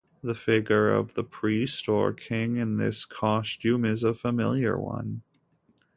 The figure of the priest or king in this costume is a familiar one.